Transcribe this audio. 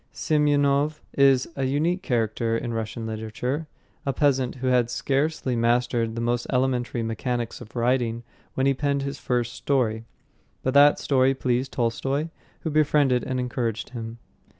Semyonov is a unique character in Russian literature, a peasant who had scarcely mastered the most elementary mechanics of writing when he penned his first story. But that story pleased Tolstoy, who befriended and encouraged him.